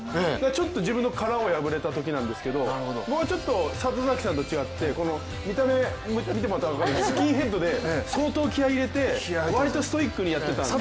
ちょっと自分の殻を破れたときなんですけど僕はちょっと里崎さんと違って見た目見てもらったら分かるんですけどスキンヘッドで相当気合い入れて、わりとストイックにやってたんですよ。